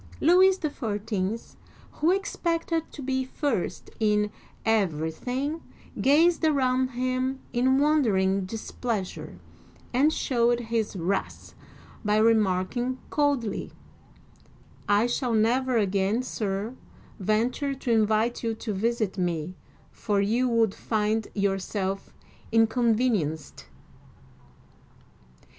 Louis XIV., who expected to be first in everything, gazed around him in wondering displeasure, and sho\ved his wrath by remarking coldly, " I shall never again, sir, venture to invite you to visit me, for you would find yourself inconvenienced!.